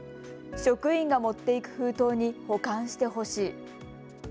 職員が持って行く封筒に保管してほしい。